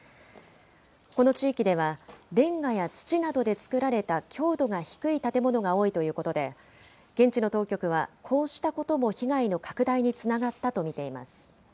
この地域では、れんがや土などでつくられた強度が低い建物が多いということで、現地の当局はこうしたことも被害の拡大につながったと見ています。